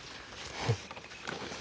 フッ。